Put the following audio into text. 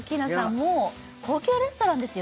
もう高級レストランですよ